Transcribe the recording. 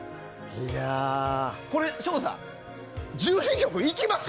これ省吾さん、１２曲いきます？